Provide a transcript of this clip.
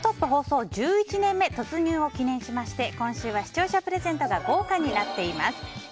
放送１１年目突入を記念しまして今週は視聴者プレゼントが豪華になっています。